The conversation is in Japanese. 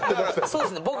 そうですね僕。